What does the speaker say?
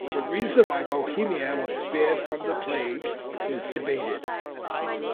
The reason why Bohemia was spared from the plague is debated.